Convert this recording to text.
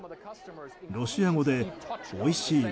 ロシア語で「おいしい。